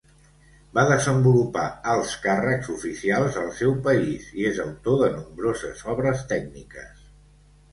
Va desenvolupar alts càrrecs oficials al seu país i és autor de nombroses obres tècniques.